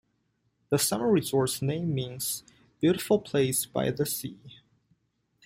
The summer resort's name means "beautiful place by the sea".